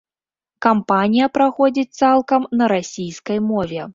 Кампанія праходзіць цалкам на расійскай мове.